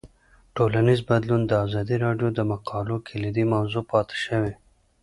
ټولنیز بدلون د ازادي راډیو د مقالو کلیدي موضوع پاتې شوی.